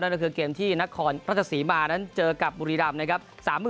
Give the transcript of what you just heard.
ก็คือเกมที่นครราชสีมานั้นเจอกับบุรีรำนะครับ